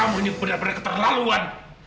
kamu ini benar benar keterlaluan